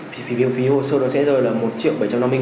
phí hồ sơ sẽ rời là một triệu bảy trăm năm mươi nghìn